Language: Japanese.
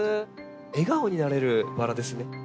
笑顔になれるバラですね。